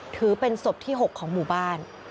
ถือเป็นศพที่๖ของหมู่บ้าน